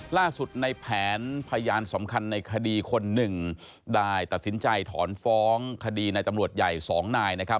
ล่าสุดในแผนพยานสำคัญในคดีคนหนึ่งได้ตัดสินใจถอนฟ้องคดีในตำรวจใหญ่๒นายนะครับ